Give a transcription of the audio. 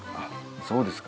そうですか。